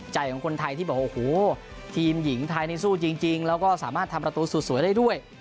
ใจของคนไทยที่บอกโอ้โหทีมหญิงไทยนี่สู้จริงแล้วก็สามารถทำประตูสุดสวยได้ด้วย